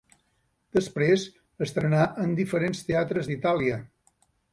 Després estrenà en diferents teatres d'Itàlia.